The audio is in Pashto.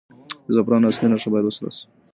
د زعفرانو اصلي نښه باید وساتل شي.